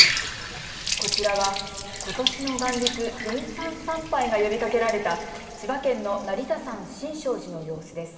こちらはことしの元日、分散参拝が呼びかけられた千葉県の成田山新勝寺の様子です。